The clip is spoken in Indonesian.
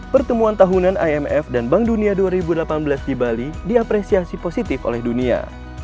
pertemuan tahunan imf dan bank dunia dua ribu delapan belas di bali diapresiasi positif oleh dunia